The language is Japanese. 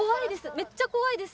めっちゃ怖いです。